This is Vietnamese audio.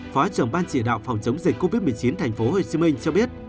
phó trưởng ban chỉ đạo phòng chống dịch covid một mươi chín tp hcm cho biết